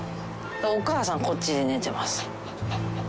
お母さんこっちで寝てます。